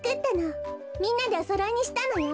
みんなでおそろいにしたのよ。